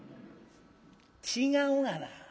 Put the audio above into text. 「違うがな。